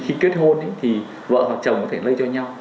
khi kết hôn thì vợ hoặc chồng có thể lây cho nhau